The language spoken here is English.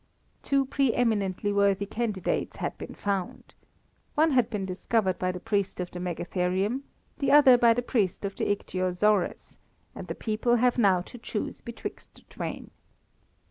Two pre eminently worthy candidates had been found. One had been discovered by the priest of the megatherium, the other by the priest of the ichthyosaurus, and the people have now to choose betwixt the twain.